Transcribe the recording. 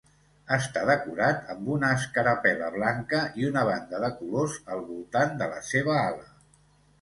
Està decorat amb una escarapel·la blanca i una banda de colors al voltant de la seva ala.